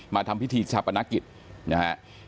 ทำพิธีชาปนกิจนะฮะ